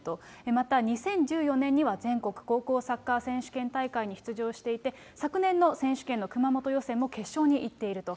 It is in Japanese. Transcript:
また２０１４年には全国高校サッカー選手権大会に出場していて、昨年の選手権の熊本予選にも決勝にいっていると。